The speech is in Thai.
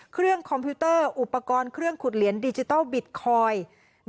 คอมพิวเตอร์อุปกรณ์เครื่องขุดเหรียญดิจิทัลบิตคอยน์